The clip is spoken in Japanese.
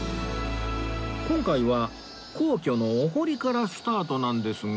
今回は皇居のお堀からスタートなんですが